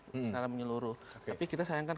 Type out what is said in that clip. secara menyeluruh tapi kita sayangkan